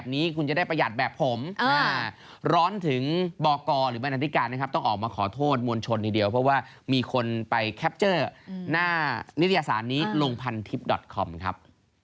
นิทยาศาสตร์นี้ลงพันทิพย์คอมครับ